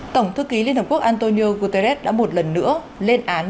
tổng thư ký liên hợp quốc antonio guterres đã một lần nữa lên án